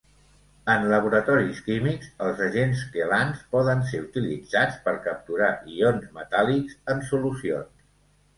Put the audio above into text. En laboratoris químics els agents quelants poden ser utilitzats per capturar ions metàl·lics en solucions.